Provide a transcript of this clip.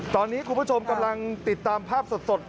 ตอนนี้คุณผู้ชมกำลังติดตามภาพสด